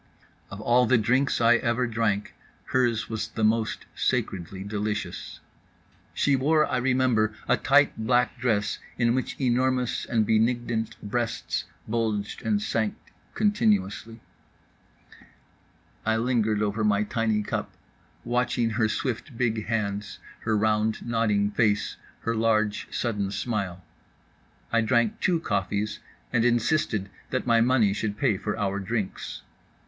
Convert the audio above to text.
Of all the drinks I ever drank, hers was the most sacredly delicious. She wore, I remember, a tight black dress in which enormous and benignant breasts bulged and sank continuously. I lingered over my tiny cup, watching her swift big hands, her round nodding face, her large sudden smile. I drank two coffees, and insisted that my money should pay for our drinks.